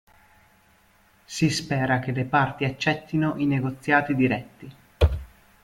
Si spera che le parti accettino i negoziati diretti.